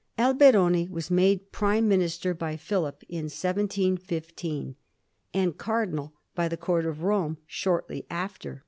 Alberoni was made prime minister by PhiKp in 1715, and cardinal by the Court of Rome shortly after.